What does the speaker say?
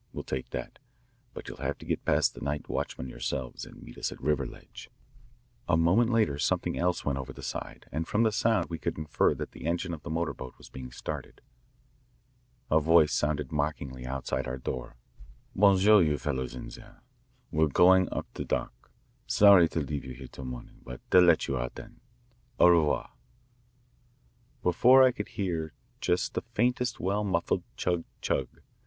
We'll take that, but you'll have to get past the night watchman yourselves and meet us at Riverledge." A moment later something else went over the side, and from the sound we could infer that the engine of the motor boat was being started. A Voice sounded mockingly outside our door. "Bon soir, you fellows in there. We're going up the dock. Sorry to leave you here till morning, but they'll let you out then. Au revoir." Below I could hear just the faintest well muffled chug chug.